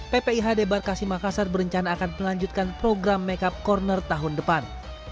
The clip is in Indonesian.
ppi hd barkasimakasar berencana akan melanjutkan program make up corner tahun depan